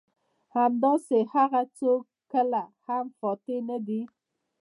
همداسې هغه څوک کله هم فاتح نه دي.